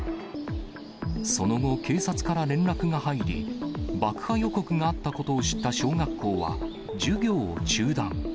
その後、警察から連絡が入り、爆破予告があったことを知った小学校は、授業を中断。